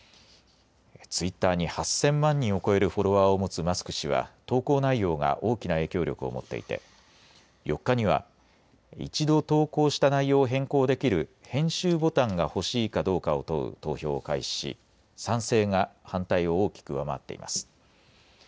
ツイッターに８０００万人を超えるフォロワーを持つマスク氏は投稿内容が大きな影響力を持っていて４日には一度投稿した内容を変更できる編集ボタンが欲しいかどうかを問う投票を開始し賛成が反対を大きく上回っています。